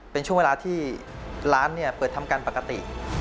เป็นช่วงเวลาที่ร้านเปิดทำการปกติ